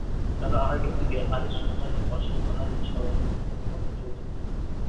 বেলা আড়াইটার দিকে আরিছুন বাড়ির পাশের পাহাড়ি ছড়ায় কাপড়চোপড় ধুতে যান।